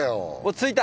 着いた！